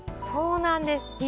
そうなんです。